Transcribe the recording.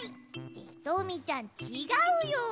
ひとみちゃんちがうよ！